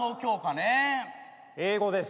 英語です。